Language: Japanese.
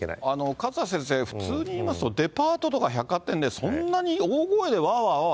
勝田先生、普通に言いますと、デパートとか百貨店で、そんなに大声でわーわーわーわー